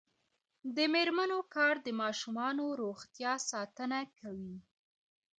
د میرمنو کار د ماشومانو روغتیا ساتنه کوي.